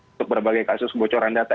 untuk berbagai kasus kebocoran data